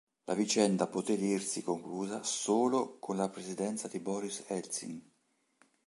La vicenda poté dirsi conclusa solo con la presidenza di Boris Eltsin.